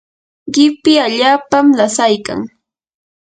qipi allaapam lasaykan.